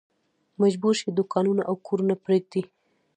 مجبور شي دوکانونه او کورونه پرېږدي.